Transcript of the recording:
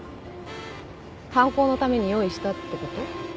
犯行のために用意したって事？